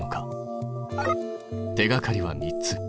手がかりは３つ。